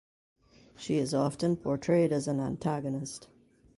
She is often portrayed as an antagonist.